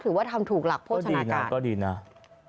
ถือว่าทำถูกหลักโภชนาการ